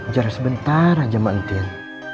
jangan sebentar aja mbak tintin